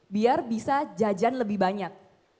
biar bisa jajan lebih banyak